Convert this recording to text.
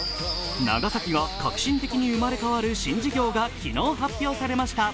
長崎が革新的に生まれ変わる新事業が昨日発表されました。